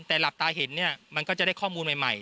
แต่หลับตาเห็นเนี่ยมันก็จะได้ข้อมูลใหม่